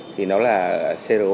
thì nó là cro ba